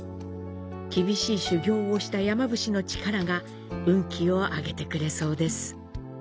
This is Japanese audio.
厳しい修行をした山伏の力が運気を上げてくれそうです。